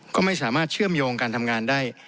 ก็ไม่สามารถเชื่อมโยงการทำงานได้